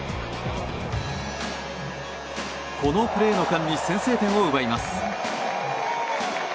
このプレーの間に先制点を奪います。